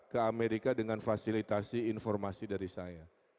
ke amerika dengan fasilitasi informasi dari saya